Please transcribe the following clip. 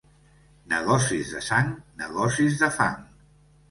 Negocis de sang, negocis de fang.